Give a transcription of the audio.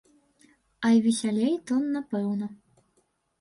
А весялей то напэўна.